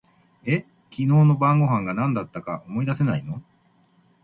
え、昨日の晩御飯が何だったか思い出せないの？